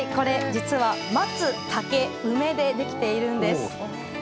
実は松竹梅でできているんです。